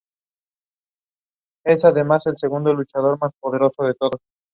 Recibió la visita de Universitario de Deportes con su máxima estrella, Lolo Fernández.